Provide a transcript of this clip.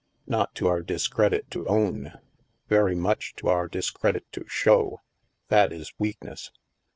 " Not to our discredit to own. ' Very much to our discredit to show. That is weakness.